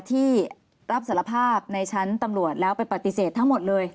ที่รับสารภาพในชั้นตำรวจแล้วไปปฏิเสธทั้งหมดเลย